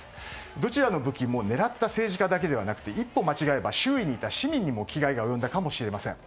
どちらの武器も狙った政治家だけではなくて一歩間違えれば周囲にいた市民にも危害が及んだかもしれません。